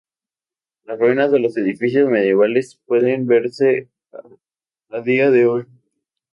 Las ruinas de los edificios medievales pueden verse a día de hoy.